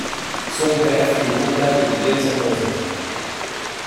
Son père fut le comptable des Guns N'Roses.